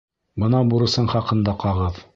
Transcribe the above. Бына бурысың хаҡында ҡағыҙ.